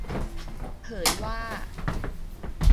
เผยว่า